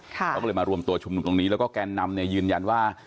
เขาก็เลยมารวมตัวชุมนุมตรงนี้แล้วก็แกนนำเนี่ยยืนยันว่า